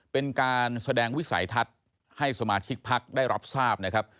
เป็นการแสดงวิสัยทัศน์ให้สมาชิกพักได้รับทราบนะครับ